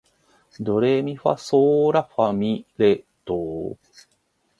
ドレミファソーラファ、ミ、レ、ドー